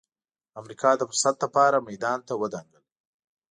امریکا د فرصت لپاره میدان ته ودانګل.